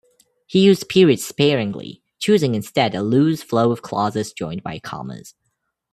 He used periods sparingly, choosing instead a loose flow of clauses joined by commas.